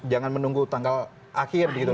jangan menunggu tanggal akhir gitu